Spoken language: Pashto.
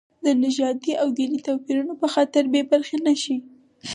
د نژادي او دیني توپیرونو په خاطر بې برخې نه شي.